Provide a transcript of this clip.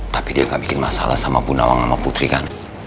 tapi dia gak bikin masalah sama bu nawang sama putri kan